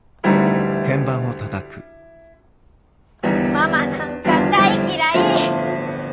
ママなんか大嫌い！